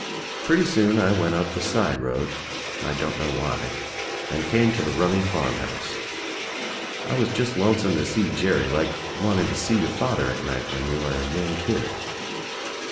Pretty soon I went up the side road — I don't know why — and came to the rummy farm house. I was just lonesome to sec Jerry, like wanting to sec your father at night when you are a young kid.